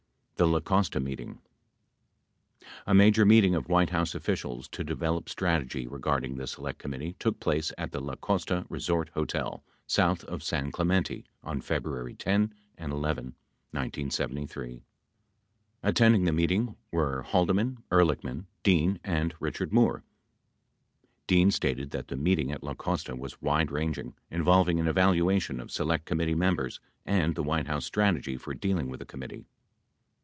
The La Costa Meeting A major meeting of White House officials to develop strategy regard ing the Select Committee took place at the La Costa Resort Hotel, south of San Clemente, on February 10 and 11, 1973. Attending the meeting were Haldeman, Ehrlichman, Dean and Richard Moore. 3 Dean stated that the meeting at La Costa was wide ranging, involving an evaluation of Select Committee members and the White House strategy for dealing with the committee.